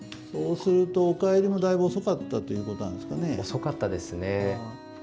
遅かったですね。